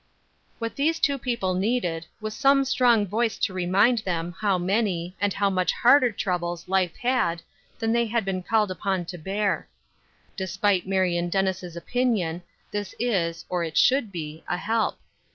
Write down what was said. What these two people needed was some 170 Ruth Er shine's Crosses, strong voice to remind them how many, and how much harder troubles life had, than they had been called upon to bear. Despite Marion Den nis' opinion, this is — or it should be — a help.